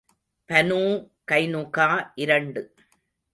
Banu கைனுகா இரண்டு.